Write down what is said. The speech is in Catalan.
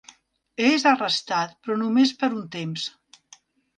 És arrestat, però només per un temps.